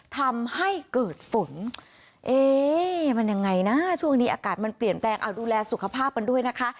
ทำให้เกิดฝนเอ๊มันยังไงนะช่วงนี้อากาศมันเปลี่ยนแปลงเอาดูแลสุขภาพกันด้วยนะคะ